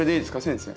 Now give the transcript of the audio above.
先生。